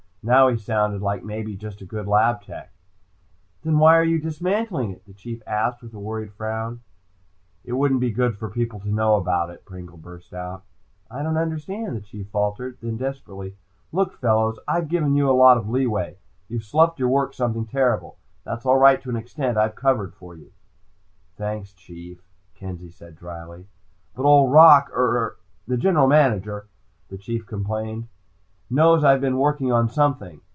Now he sounded like maybe just a good lab tech. "Then why are you dismantling it?" the Chief asked with a worried frown. "It wouldn't be good for people to know about it," Pringle burst out. "I don't understand," the Chief faltered. Then desperately, "Look, fellows. I've given you a lotta leeway. You've sluffed your work something terrible. That's all right to an extent. I've covered for you." "Thanks, Chief," Kenzie said drily. "But Old Rock er the General Manager," the Chief complained, "knows I've been working on something.